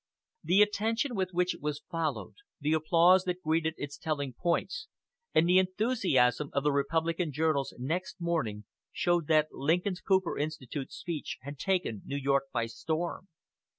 The attention with which it was followed, the applause that greeted its telling points, and the enthusiasm of the Republican journals next morning showed that Lincoln's Cooper Institute speech had taken New York by storm.